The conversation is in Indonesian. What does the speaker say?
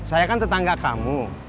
saya kan tetangga kamu